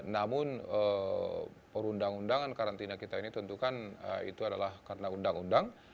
namun perundang undangan karantina kita ini tentukan itu adalah karena undang undang